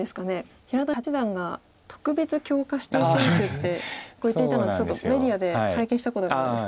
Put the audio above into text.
平田八段が特別強化指定選手って言っていたのをちょっとメディアで拝見したことがあるんですけど。